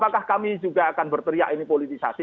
apakah kami juga akan berteriak ini politisasi